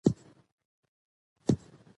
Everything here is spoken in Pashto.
په دې اثر کې د مقدس سفر تجربې دي.